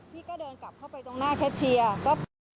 พี่ก็เดินกลับเข้าไปตรงหน้าแคชเชียร์